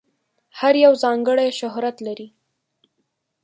هر یو ځانګړی شهرت لري.